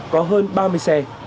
có hơn ba mươi xe